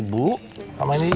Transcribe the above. cedulannya memasak nih